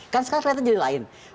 kan sekarang kelihatan jadi lain